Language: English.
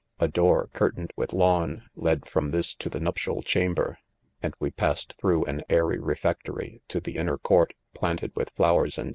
A door, curtained with lawn, led from this to the nuptial chamber, and we pass ed through an airy refectory, to the inner court, planted with flowers and.